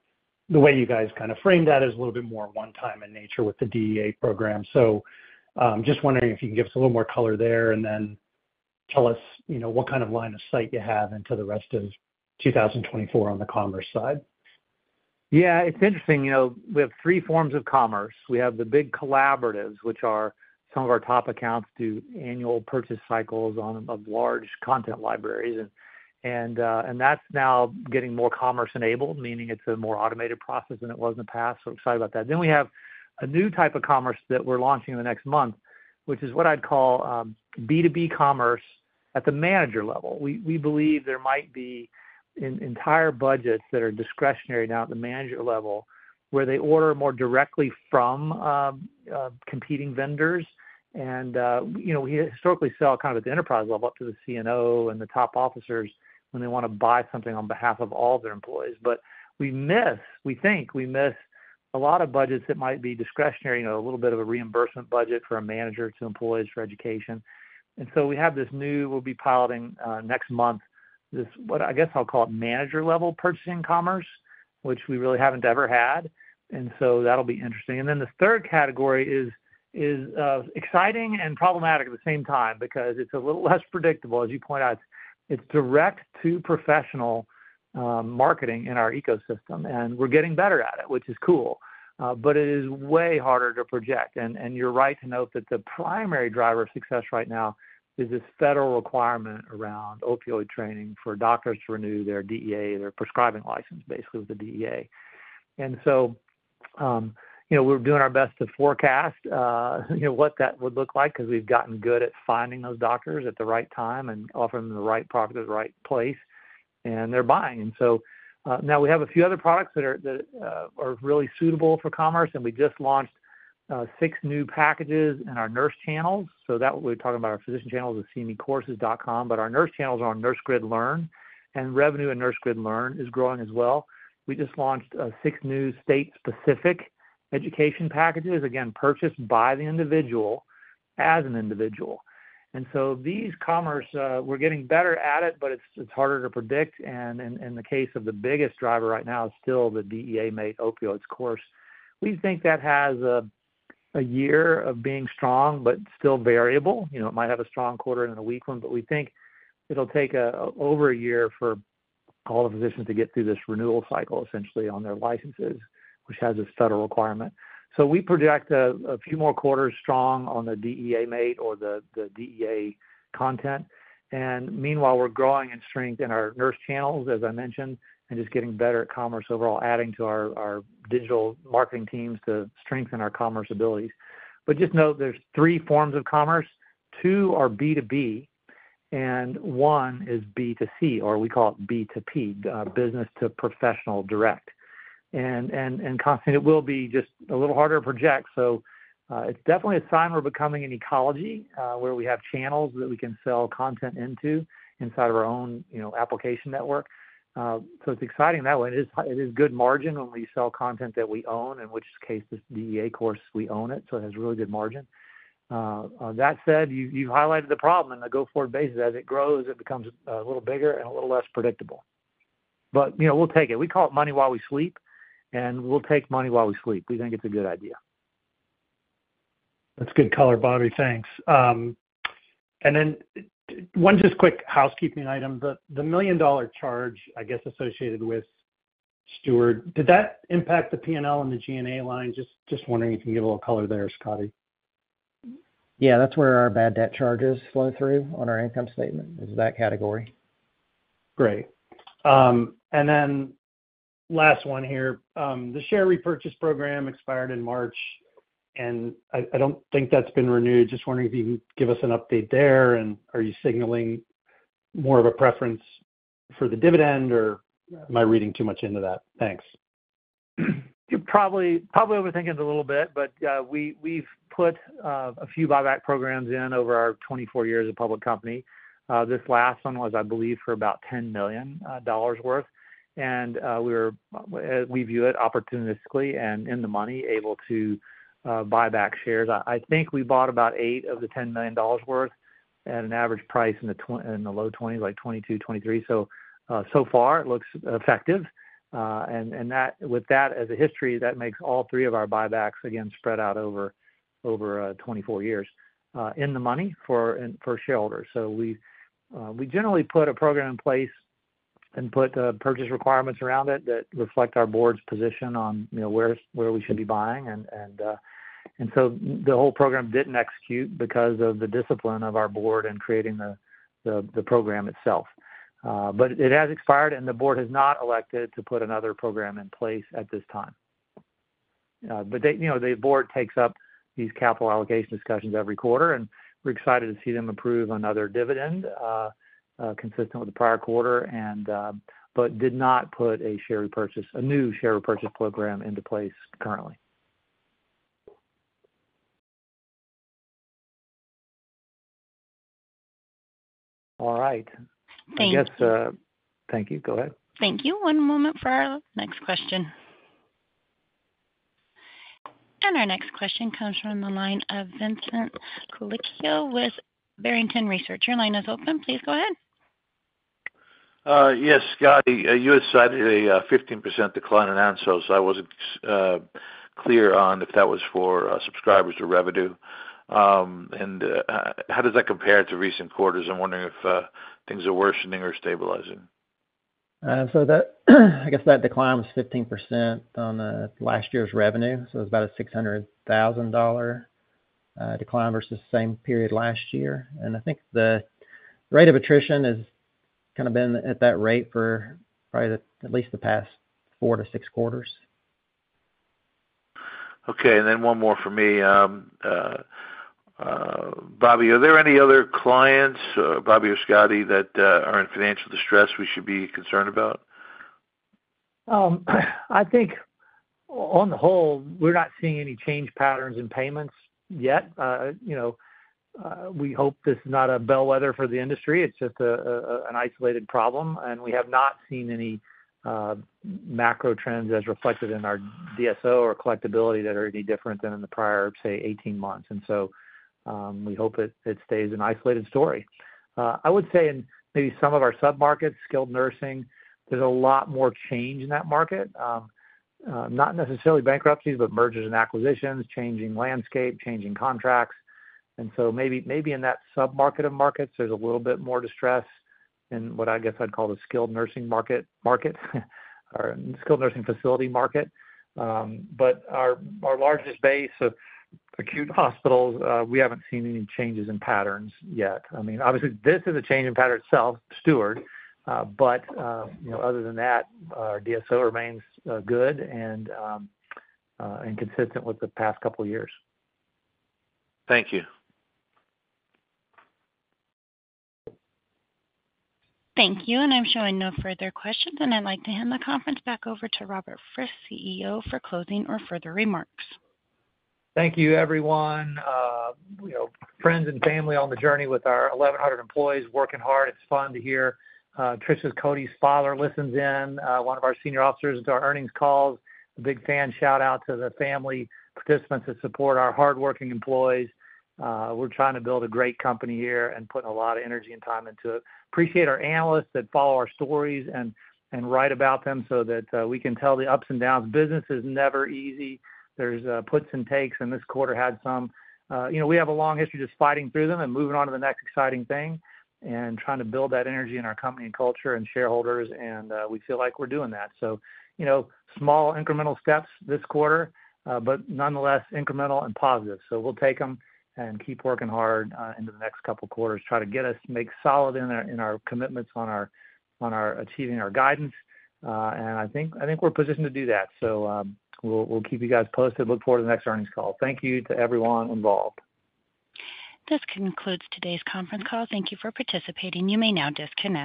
the way you guys kind of framed that is a little bit more one-time in nature with the DEA program. So just wondering if you can give us a little more color there and then tell us what kind of line of sight you have into the rest of 2024 on the commerce side. Yeah, it's interesting. We have three forms of commerce. We have the big collaboratives, which are some of our top accounts do annual purchase cycles on large content libraries. And that's now getting more commerce-enabled, meaning it's a more automated process than it was in the past. So excited about that. Then we have a new type of commerce that we're launching in the next month, which is what I'd call B2B commerce at the manager level. We believe there might be entire budgets that are discretionary now at the manager level where they order more directly from competing vendors. And we historically sell kind of at the enterprise level up to the CNO and the top officers when they want to buy something on behalf of all their employees. But we miss, we think we miss a lot of budgets that might be discretionary, a little bit of a reimbursement budget for a manager to employees for education. And so we have this new; we'll be piloting next month. I guess I'll call it manager-level purchasing commerce, which we really haven't ever had. And so that'll be interesting. And then the third category is exciting and problematic at the same time because it's a little less predictable. As you point out, it's direct to professional marketing in our ecosystem. And we're getting better at it, which is cool. But it is way harder to project. And you're right to note that the primary driver of success right now is this federal requirement around opioid training for doctors to renew their DEA, their prescribing license, basically with the DEA. And so we're doing our best to forecast what that would look like because we've gotten good at finding those doctors at the right time and offering them the right product at the right place. And they're buying. And so now we have a few other products that are really suitable for commerce. And we just launched six new packages in our nurse channels. So that's what we're talking about, our physician channels is seeing CMEcourses.com. But our nurse channels are on NurseGrid Learn. And revenue in NurseGrid Learn is growing as well. We just launched six new state-specific education packages, again, purchased by the individual as an individual. And so these commerce, we're getting better at it, but it's harder to predict. And in the case of the biggest driver right now, still the DEA MATE opioids course. We think that has a year of being strong, but still variable. It might have a strong quarter and a weak one. But we think it'll take over a year for all the physicians to get through this renewal cycle, essentially, on their licenses, which has this federal requirement. So we project a few more quarters strong on the DEA MATE or the DEA content. And meanwhile, we're growing in strength in our nurse channels, as I mentioned, and just getting better at commerce overall, adding to our digital marketing teams to strengthen our commerce abilities. But just note, there's three forms of commerce. Two are B2B, and one is B2C, or we call it B2P, business to professional direct. And Constantine, it will be just a little harder to project. So it's definitely a sign we're becoming an ecology where we have channels that we can sell content into inside of our own application network. So it's exciting that way. It is good margin when we sell content that we own, in which case, this DEA course, we own it. So it has really good margin. That said, you've highlighted the problem in the go-forward basis. As it grows, it becomes a little bigger and a little less predictable. But we'll take it. We call it money while we sleep, and we'll take money while we sleep. We think it's a good idea. That's good color, Bobby. Thanks. And then one just quick housekeeping item. The $1 million charge, I guess, associated with Steward, did that impact the P&L and the G&A line? Just wondering if you can give a little color there, Scotty. Yeah, that's where our bad debt charges flow through on our income statement. It's that category. Great. And then last one here, the share repurchase program expired in March. And I don't think that's been renewed. Just wondering if you can give us an update there. And are you signaling more of a preference for the dividend, or am I reading too much into that? Thanks. Probably overthinking it a little bit, but we've put a few buyback programs in over our 24 years of public company. This last one was, I believe, for about $10 million worth. We view it opportunistically and in the money able to buy back shares. I think we bought about 8 of the $10 million worth at an average price in the low 20s, like 22, 23. So far, it looks effective. With that as a history, that makes all three of our buybacks, again, spread out over 24 years in the money for shareholders. We generally put a program in place and put purchase requirements around it that reflect our board's position on where we should be buying. The whole program didn't execute because of the discipline of our board and creating the program itself. It has expired, and the board has not elected to put another program in place at this time. But the board takes up these capital allocation discussions every quarter, and we're excited to see them approve another dividend consistent with the prior quarter, but did not put a new share repurchase program into place currently. All right. Thank you. Thank you. Go ahead. Thank you. One moment for our next question. Our next question comes from the line of Vincent Colicchio with Barrington Research. Your line is open. Please go ahead. Yes, Scotty. You had cited a 15% decline in ANSOS, so I wasn't clear on if that was for subscribers or revenue. And how does that compare to recent quarters? I'm wondering if things are worsening or stabilizing. So I guess that decline was 15% on last year's revenue. So it was about a $600,000 decline versus the same period last year. I think the rate of attrition has kind of been at that rate for probably at least the past 4-6 quarters. Okay. And then one more for me. Bobby, are there any other clients, Bobby or Scotty, that are in financial distress we should be concerned about? I think on the whole, we're not seeing any change patterns in payments yet. We hope this is not a bellwether for the industry. It's just an isolated problem. And we have not seen any macro trends as reflected in our DSO or collectibility that are any different than in the prior, say, 18 months. And so we hope it stays an isolated story. I would say in maybe some of our submarkets, skilled nursing, there's a lot more change in that market. Not necessarily bankruptcies, but mergers and acquisitions, changing landscape, changing contracts. So maybe in that submarket of markets, there's a little bit more distress in what I guess I'd call the skilled nursing market or skilled nursing facility market. But our largest base of acute hospitals, we haven't seen any changes in patterns yet. I mean, obviously, this is a change in pattern itself, Steward. But other than that, our DSO remains good and consistent with the past couple of years. Thank you. Thank you. And I'm showing no further questions. And I'd like to hand the conference back over to Robert Frist, CEO, for closing or further remarks. Thank you, everyone. Friends and family on the journey with our 1,100 employees working hard. It's fun to hear. Trisha Coady's father listens in. One of our senior officers tunes into our earnings calls. A big fan shout-out to the family participants that support our hardworking employees. We're trying to build a great company here and putting a lot of energy and time into it. Appreciate our analysts that follow our stories and write about them so that we can tell the ups and downs. Business is never easy. There's puts and takes, and this quarter had some. We have a long history just fighting through them and moving on to the next exciting thing and trying to build that energy in our company and culture and shareholders. And we feel like we're doing that. So small incremental steps this quarter, but nonetheless, incremental and positive. So we'll take them and keep working hard into the next couple of quarters. Try to get us to make solid in our commitments on achieving our guidance. And I think we're positioned to do that. So we'll keep you guys posted. Look forward to the next earnings call. Thank you to everyone involved. This concludes today's conference call. Thank you for participating. You may now disconnect.